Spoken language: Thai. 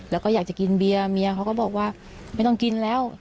แล้วก็อยากจะกินเบียร์เมียเขาก็บอกว่าไม่ต้องกินแล้ว